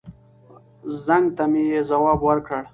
زنګ ته مې يې ځواب ور کړ.